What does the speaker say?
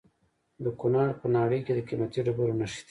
د کونړ په ناړۍ کې د قیمتي ډبرو نښې دي.